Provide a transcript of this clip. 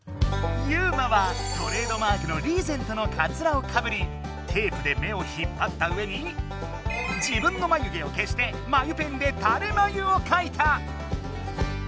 ユウマはトレードマークのリーゼントのかつらをかぶりテープで目を引っぱったうえに自分のまゆ毛をけしてまゆペンで「たれまゆ」を描いた！